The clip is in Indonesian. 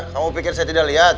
kamu pikir saya tidak lihat